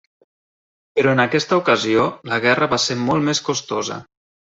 Però en aquesta ocasió la guerra va ser molt més costosa.